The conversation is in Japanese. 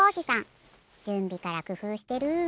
じゅんびからくふうしてる。